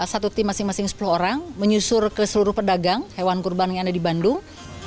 satu tim masing masing sepuluh orang menyusur ke seluruh pedagang hewan kurban yang ada di bandung